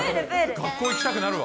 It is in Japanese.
学校行きたくなるわ。